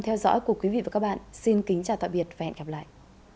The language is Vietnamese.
cảm ơn các bạn đã quan tâm theo dõi xin kính chào tạm biệt và hẹn gặp lại